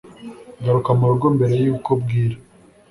Garuka murugo mbere yuko bwira